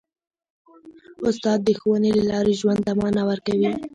استاد د ښوونې له لارې ژوند ته مانا ورکوي.